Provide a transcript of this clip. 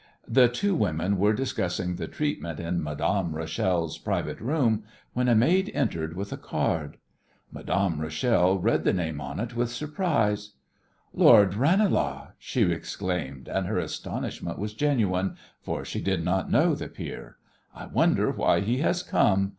The two women were discussing the treatment in Madame Rachel's private room when a maid entered with a card. Madame Rachel read the name on it with surprise. "Lord Ranelagh!" she exclaimed, and her astonishment was genuine, for she did not know the peer. "I wonder why he has come!